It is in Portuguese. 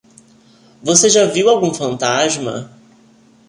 Você já viu algum fantasma?